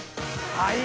はい？